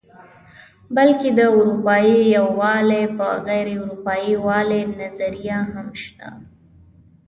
بلکې د اروپايي والي او غیر اروپايي والي نظریه هم شته.